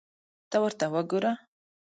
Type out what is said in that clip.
ته ورته وګوره !